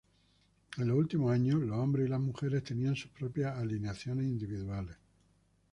En los últimos años, los hombres y las mujeres tenían sus propias alineaciones individuales.